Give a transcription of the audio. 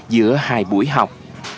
giữa hai buổi học